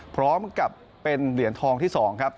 พร้อมกับเป็นเหรียญทองที่๒ครับ